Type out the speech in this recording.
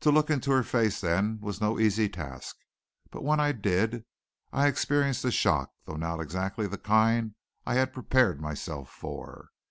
To look into her face then was no easy task. But when I did I experienced a shock, though not exactly the kind I had prepared myself for.